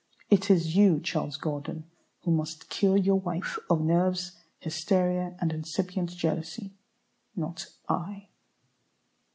It is you, Charles Gordon, who must cure your wife of nerves, hysteria, and incipient jealousy, not I.